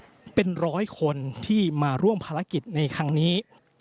เป็นร้อยคนที่มาร่วมภารกิจในครั้งนี้